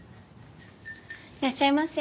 いらっしゃいませ。